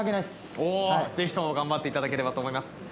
おぜひとも頑張っていただければと思います。